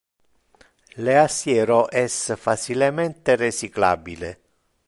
Le aciero es facilemente recyclabile.